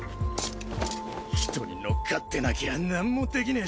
人に乗っかってなきゃ何も出来ねェ